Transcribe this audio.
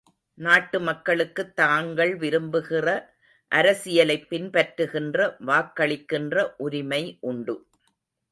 நாட்டு மக்களுக்குத் தாங்கள் விரும்புகிற அரசியலைப் பின்பற்றுகின்ற வாக்களிக்கின்ற உரிமை உண்டு.